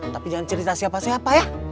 tapi jangan cerita siapa siapa ya